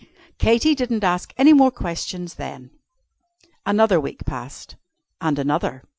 Katy didn't ask any more questions then. Another week passed, and another.